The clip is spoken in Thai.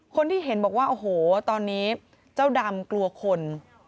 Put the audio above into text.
คนที่เห็นบอกว่าโอ้โหตอนนี้เจ้าดำกลัวคน